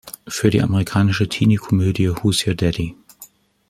Für die amerikanische Teeniekomödie "Who’s Your Daddy?